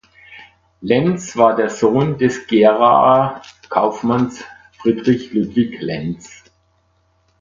Lenz war der Sohn des Geraer Kaufmanns Friedrich Ludwig Lenz.